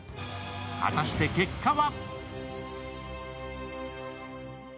果たして結果は？